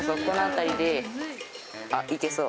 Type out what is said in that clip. あっいけそう。